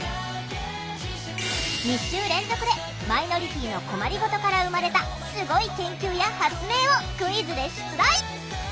２週連続でマイノリティーの困りごとから生まれたスゴい研究や発明をクイズで出題！